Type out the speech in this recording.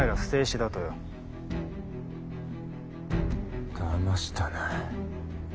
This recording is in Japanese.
だましたな。